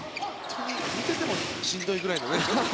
見ていてもしんどいぐらいのね。